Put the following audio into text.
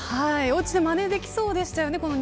おうちでまねできそうでしたよね。